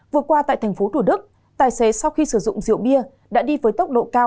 vừa qua tại tp thủ đức tài xế sau khi sử dụng rượu bia đã đi với tốc độ cao